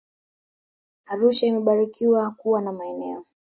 Arusha ni imebarikiwa kuwa na maeneo